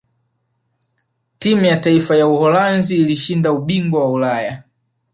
timu ya taifa ya uholanzi ilishinda ubingwa wa ulaya